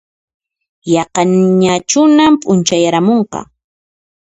Yaqañachunan p'unchayaramunqa